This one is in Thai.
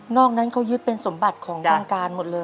อกนั้นเขายึดเป็นสมบัติของทางการหมดเลย